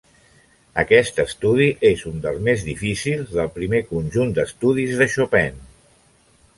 Aquest estudi és un dels més difícils del primer conjunt d'estudis de Chopin.